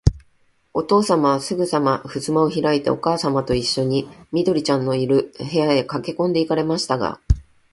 おとうさまは、すぐさまふすまをひらいて、おかあさまといっしょに、緑ちゃんのいる、部屋へかけこんで行かれましたが、